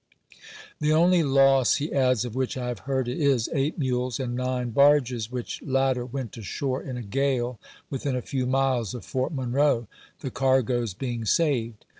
The only loss," he adds, " of which I have heard is eight mules and nine barges, which latter went ashore in a gale within a few miles of Fort Monroe, the cargoes being saved."